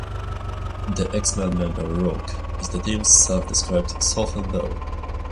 The X-Men member Rogue is the team's self-described southern belle.